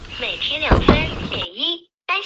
繁体中文版由台湾角川代理。